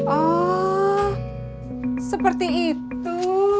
oh seperti itu